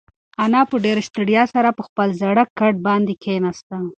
انا په ډېرې ستړیا سره پر خپل زاړه کټ باندې کښېناسته.